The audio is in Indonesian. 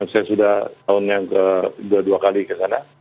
saya sudah tahunnya sudah dua kali ke sana